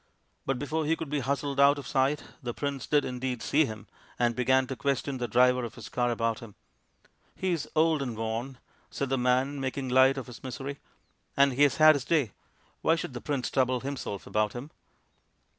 But before he could be hustled out of sight the prince did indeed see him, and began to question the driver of his car about him. " He is old and worn,' 5 said the man, making light of his misery, " and he has had his day. Why should the Prince trouble himself about him